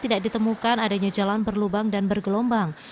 tidak ditemukan adanya jalan berlubang dan bergelombang